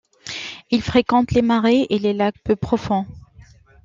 Il fréquente les marais et les lacs peu profonds.